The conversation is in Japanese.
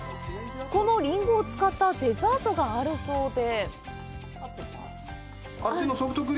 このリンゴを使ったデザートがあるそうで。